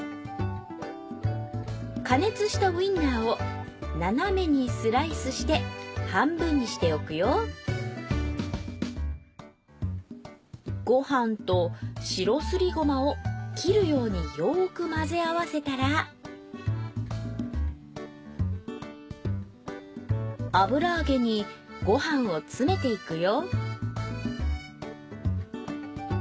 加熱したウインナーを斜めにスライスして半分にしておくよご飯と白すりごまを切るようによく混ぜ合わせたら油あげにご飯を詰めていくよ